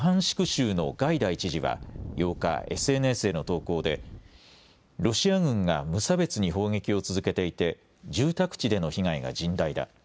州のガイダイ知事は８日、ＳＮＳへの投稿で、ロシア軍が無差別に砲撃を続けていて、住宅地での被害が甚大だ。